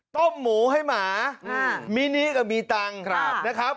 ต้มหมูให้หมามินิก็มีตังค์นะครับ